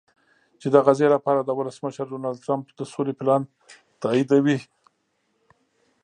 چې د غزې لپاره د ولسمشر ډونالډټرمپ د سولې پلان تاییدوي